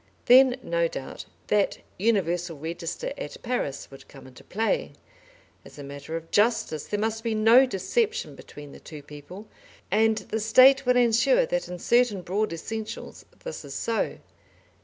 Then, no doubt, that universal register at Paris would come into play. As a matter of justice, there must be no deception between the two people, and the State will ensure that in certain broad essentials this is so.